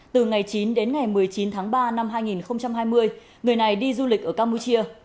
từ ngày chín đến ngày một mươi chín tháng ba năm hai nghìn hai mươi người này đi du lịch ở campuchia